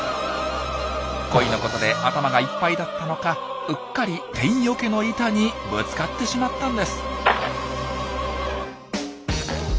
恋のことで頭がいっぱいだったのかうっかりテンよけの板にぶつかってしまったんです。